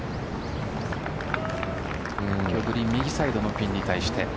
右サイドのピンに対して。